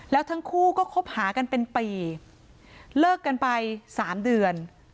แล้วทั้งคู่ก็คบหากันเป็นปีเลิกกันไปสามเดือน